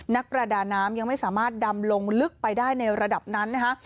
นักประดาน้ำยังไม่สามารถดำลงลึกไปได้ในระดับนั้นนะคะ